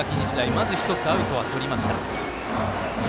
まず１つ、アウトはとりました。